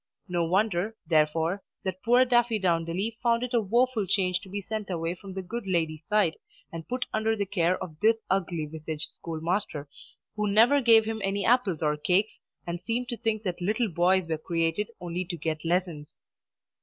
No wonder, therefore, that poor Daffydowndilly found it a woeful change to be sent away from the good lady's side and put under the care of this ugly visaged schoolmaster, who never gave him any apples or cakes, and seemed to think that little boys were created only to get lessons.